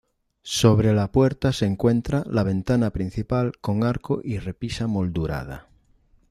Sobre la puerta se encuentra la ventana principal con arco y repisa moldurada.